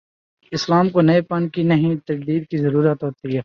اسلام کو نئے پن کی نہیں، تجدید کی ضرورت ہو تی ہے۔